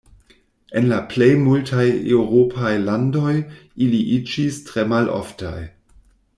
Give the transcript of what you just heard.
En la plej multaj eŭropaj landoj ili iĝis tre maloftaj.